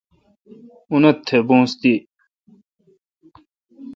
اونتھ تہ بوس تی۔